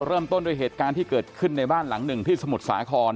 เริ่มต้นด้วยเหตุการณ์ที่เกิดขึ้นในบ้านหลังหนึ่งที่สมุทรสาคร